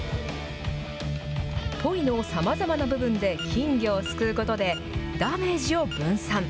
ポイのさまざまな部分で金魚をすくうことで、ダメージを分散。